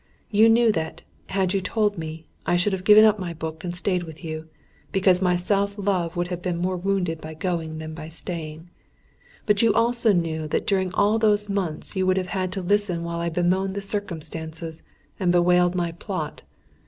You knew that, had you told me, I should have given up my book and stayed with you; because my self love would have been more wounded by going than by staying. But you also knew that during all those months you would have had to listen while I bemoaned the circumstances, and bewailed my plot.